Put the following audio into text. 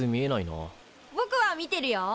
ぼくは見てるよ。